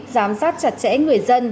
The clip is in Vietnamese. giám sát chặt chẽ người dân